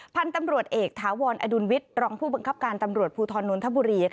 พันธุ์ตำรวจเอกถาวรอดุลวิทย์รองผู้บังคับการตำรวจภูทรนนทบุรี